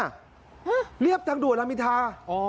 เห้อเรียบจังด่วนรามิธา